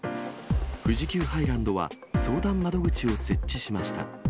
富士急ハイランドは、相談窓口を設置しました。